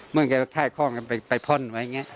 เมื่อแกไข้ข้องไปพ่นไว้ไง